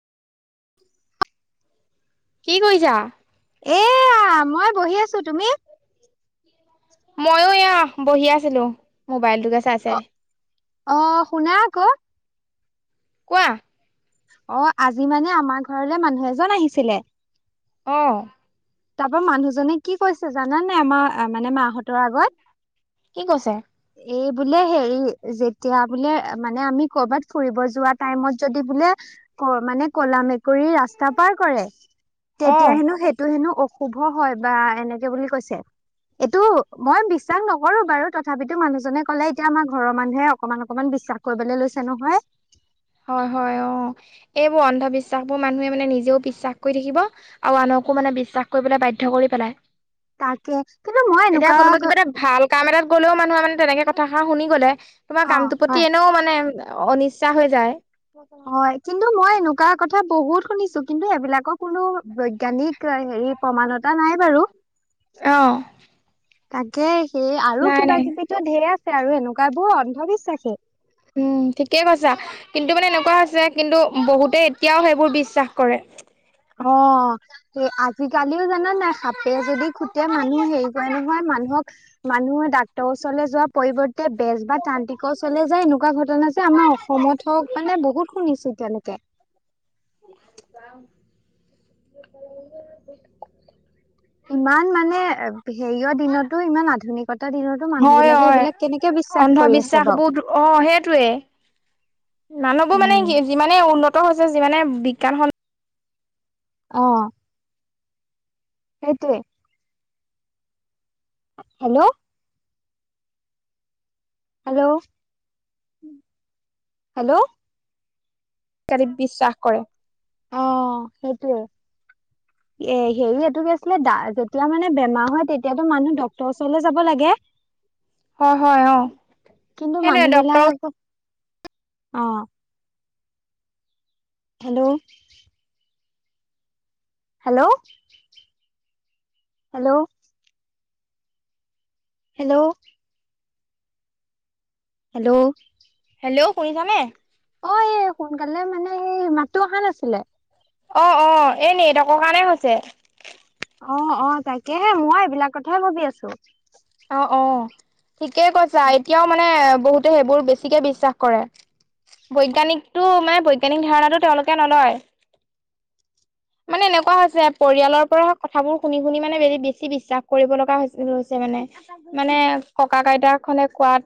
কি কৰিছা? এয়া মই বহি আছো তুমি? মইও এয়া বহি আছিলোঁ মোবাইলটোকে চাই চাই। অঁ শুনা আক। কোৱা- অঁ আজি মানে আমাৰ ঘৰলে মানুহ এজন আহিছিলে- অঁ! তাৰ পৰা মানুহজনে কি কৈছে জানানাই আমাৰ মানে মাহঁতৰ আগত। কি কৈছে? এই বোলে হেৰি যেতিয়া বোলে মানে আমি কৰবাত ফুৰিব যোৱা টাইমত যদি বোলে- মানে কলা মেকুৰী ৰাস্তা পাৰ কৰে অঁ তেতিয়া হেনো সেইটো হেনো- শুভ হয় বা এনেকে বুলি কৈছে। এইটো মই বিশ্বাস নকৰো বাৰু তথাপিতো মানুহজনে কলে এতিয়া আমাৰ ঘৰৰ মানুহে অকমান অকমান বিশ্বাস- কৰিবলে লৈছে নহয়। হয়ঁ হয়ঁ অঁ এইবোৰ অন্ধবিশ্বাস বোৰ মানুহে মানে নিজেও বিশ্বাস কৰি থাকিব- আৰু আনকো মানে বিশ্বাস কৰিবলৈ বাধ্য কৰি পেলাই তাকে কিন্তু মই এতিয়া কোনোবা এনেকুৱা কিবা এটা- ভাল কাম এটাত গ'লেও মানুহে মানে তেনেকে কথাষাৰ শুনি গ'লে। তোমাৰ অ', কামটোৰ প্ৰতি হয়। এনেও মানে অনিচ্ছা হৈ যায়। হয়ঁ কিন্তু মই এনেকুৱা কথা বহুত শুনিছোঁ কিন্তু এইবিলাকক- কোনো বৈজ্ঞানিক হেৰি প্ৰমানতা নাই বাৰু। অঁ তাকে সেই আৰু নাই কিবা নাই কিবিটো ঢেৰ আছে আৰু এনেকুৱা বোৰ অন্ধবিশ্বাসেই। উমঁ ঠিকেই কৈছা কিন্তু মানে এনেকুৱা হৈছে কিন্তু বহুতে এতিয়াও সেইবোৰ বিশ্বাস কৰে। অঁ! এ আজিকালিও জানা নাই সাপে যদি খুটে মানুহ হেৰি কৰে নহয় মানুহক। মানুহে ডাক্তৰ ওচৰলৈ যোৱা পৰিৱৰ্ত- এ বেজ বা তান্ত্ৰিকৰ ওচৰলে যায় এনেকুৱা ঘটনা যে আমাৰ অসমত হওঁক মানে বহুত শুনিছোঁ এতিয়ালৈকে। [unintelligible] ইমান মানে এ ভি- হেৰিয়ৰ দিনতো ইমান আধুনিকতাৰ দিনতো মানুহ হয় বিলাকে হেইবিলাক কেনেকে বিশ্বাস কৰি আছে বাওঁ। অঁ হেইটোৱে। মানুহবোৰ উম মানে কি যিমানে উন্নত হৈছে যিমানে বিজ্ঞানসন। অহ। সেইটোৱেই। হেল্লৌ! হেল্লৌ! হেল্লৌ! এতি বিশ্বাস কৰে। অহ সেইটোৱে। [inaudible] এ হেৰি এইটো কি আছিলে দা যেতিয়া মানে বেমাৰ হয় তেতিয়াতো মানুহ ডক্তৰৰ ওচৰলে যাব লাগে হয় হয় অ কিন্তু সেটোৱে মানুহ ডক্টৰ বিলাক আকৌ অ hello hello hello hello hello hello শুনিছানে অ এই সোনকালে মানে সেই মাতটো অহা নাছিলে অ অ এ নেটৱৰ্কৰ কাৰণে হৈছে অ অ তাকেহে মই এইবিলাক কথাই ভাবি আছো অ অ ঠিকেই কৈছা এতিয়াও মানে বহুতে সেইবোৰ বেছিকে বিশ্বাস কৰে বৈজ্ঞানিকটো মানে বৈজ্ঞানিক ধাৰণাটো তেওঁলোকে নলয় মানে এনেকুৱা হৈছে পৰিয়ালৰ পৰা কথাবোৰ শুনি শুনি মানে হেতি বেছি বিশ্বাস কৰিব লগা হৈছে মানে মানে ককাক আইতাহনে কোৱাত